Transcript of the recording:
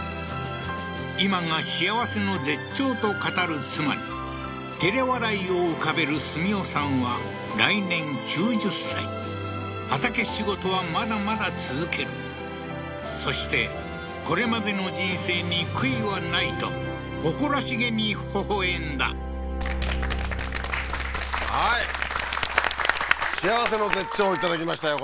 今が幸せの絶頂と語る妻にてれ笑いを浮かべる澄夫さんは来年９０歳畑仕事はまだまだ続けるそしてこれまでの人生に悔いはないと誇らしげにほほ笑んだはい幸せの絶頂いただきましたよ